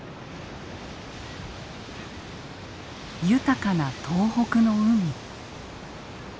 豊かな東北の海。